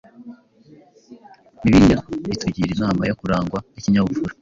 Bibiliya itugira inama yo kurangwa n’ikinyabupfura,